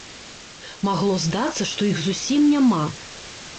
Магло здацца, што іх зусім няма.